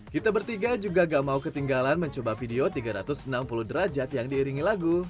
kita bertiga juga gak mau ketinggalan mencoba video tiga ratus enam puluh derajat yang diiringi lagu